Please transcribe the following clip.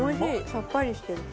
さっぱりしてるし。